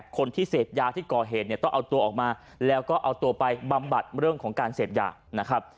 คนที่เสพยาที่ก่อเหตุเนี่ยต้องเอาตัวออกมาแล้วก็เอาตัวไปบำบัดเรื่องของการเสพยานะครับ